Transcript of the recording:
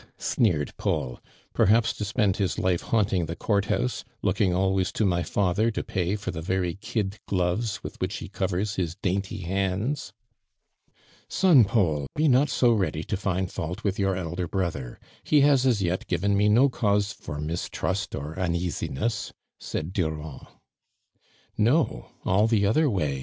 sneered Paul. " Perhaps to spend his life haunting the court house, looking always to my fatlier to pay for the very kid gloves with which he covers his dainty hands.'' " Son Paul, be ivot so ready to find fault ■with your elder brother, lie has as yet given me no cause for mistrust, or xmeasi ness," said Durand. '< No ! all the othei way